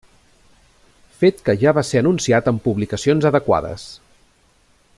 Fet que ja va ser anunciat en publicacions adequades.